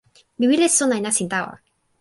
mi wile sona e nasin tawa.